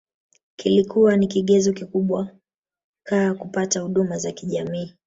Kilikua ni kigezo kikubwa caha kupata huduma za kijamii